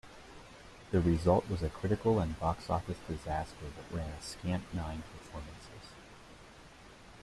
The result was a critical and box-office disaster that ran a scant nine performances.